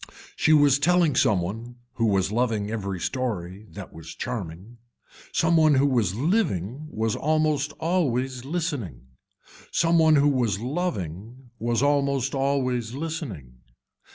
She was telling some one, who was loving every story that was charming. Some one who was living was almost always listening. Some one who was loving was almost always listening.